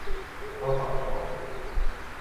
Trois par trois.